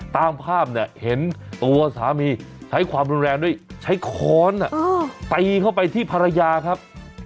ตามภาพเนี่ยเห็นตัวสามีใช้ความรุนแรงด้วยใช้ค้อนตีเข้าไปที่ภรรยาครับ